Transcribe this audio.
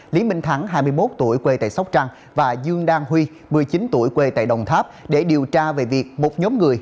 lý minh thắng hai mươi một tuổi quê tại sóc trăng và dương đang huy một mươi chín tuổi quê tại đồng tháp để điều tra về việc một nhóm người